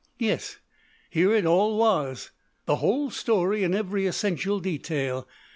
Yes; here it all was the whole story in every essential detail.